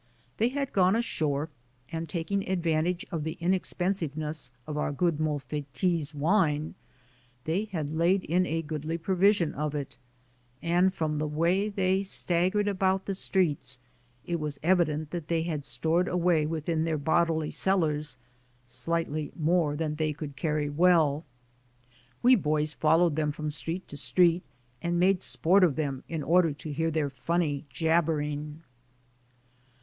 They had gone ashore, and taking advantage of the inexpensiveness of our good Molfettese wine, they had laid in a goodly provision of it, and from the way they staggered about the streets, it was evi dent that they had stored away within their bodily cellars slightly more than they could carry well. We boys followed them from street to street, and made sport of them in order to hear their funny jabbering.